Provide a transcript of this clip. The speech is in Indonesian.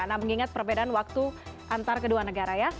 nah mengingat perbedaan waktu antar kedua negara ya